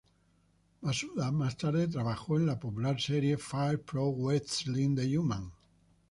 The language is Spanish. Masuda más tarde trabajó en la popular serie Fire Pro Wrestling de Human.